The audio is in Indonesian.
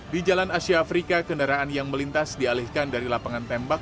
di jalan asia afrika kendaraan yang melintas dialihkan dari lapangan tembak